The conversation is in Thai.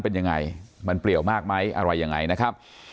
เป็นยังไงมันเปลี่ยวมากไหมอะไรยังไงนะครับ